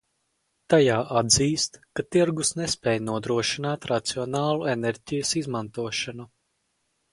Tajā atzīst, ka tirgus nespēj nodrošināt racionālu enerģijas izmantošanu.